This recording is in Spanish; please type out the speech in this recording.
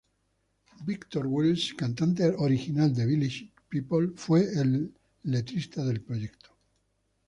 Victor Willis, cantante original de Village People, fue el letrista del proyecto.